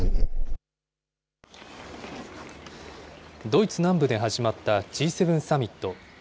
ドイツ南部で始まったＧ７サミット。